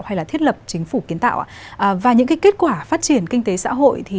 hay là thiết lập chính phủ kiến tạo và những kết quả phát triển kinh tế xã hội